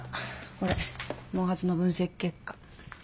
これ毛髪の分析結果。